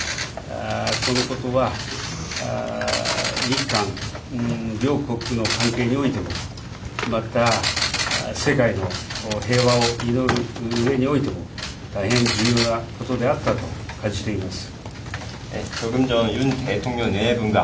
このことは、日韓両国の関係においても、また世界の平和を祈るうえにおいても、大変重要なことであったと感じています。